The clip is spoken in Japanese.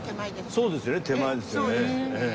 そうですよね手前ですええ。